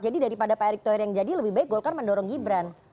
jadi daripada pak erick thohir yang jadi lebih baik golkar mendorong gibran